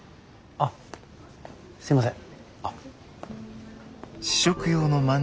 あすいません。